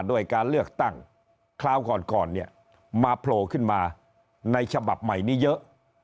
ด้วยการเลือกตั้งคราวก่อนเนี่ยมาโผล่ขึ้นมาในฉบับใหม่นี้เยอะ